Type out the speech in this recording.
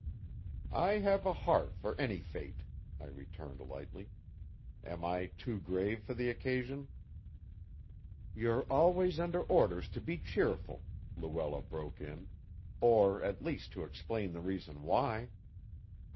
"I have a heart for any fate," I returned lightly. "Am I too grave for the occasion?" "You're always under orders to be cheerful," Luella broke in, "or at least to explain the reason why."